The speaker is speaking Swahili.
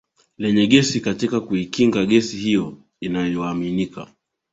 lenye gesi Katika kuikinga gesi hiyo inayoaminika